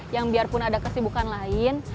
yang biarpun ada kesibukan lain